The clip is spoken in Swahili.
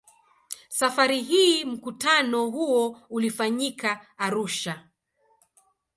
Safari hii mkutano huo ulifanyika Arusha.